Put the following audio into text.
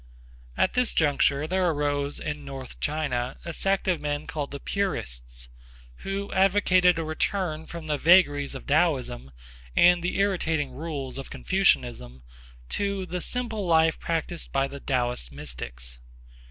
At this juncture there arose in North China a sect of men called the Purists who advocated a return from the vagaries of Taoism and the irritating rules of Confucianism to the simple life practised by the Taoist mystics.